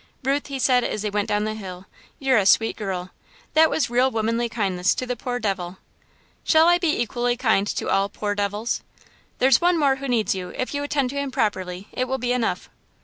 "Ruth," he said, as they went down the hill, "you're a sweet girl. That was real womanly kindness to the poor devil." "Shall I be equally kind to all 'poor devils'?" "There's one more who needs you if you attend to him properly, it will be enough."